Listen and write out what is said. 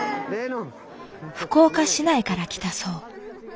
福岡市内から来たそう。